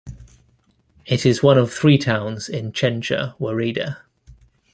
It is one of three towns in Chencha woreda.